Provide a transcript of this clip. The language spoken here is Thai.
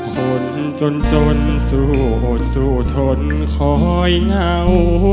คนจนจนสู้สู้ทนคอยเหงา